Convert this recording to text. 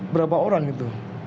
berapa orang itu